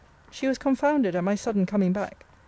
She was confounded at my sudden coming back.